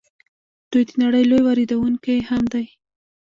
دوی د نړۍ لوی واردونکی هم دي.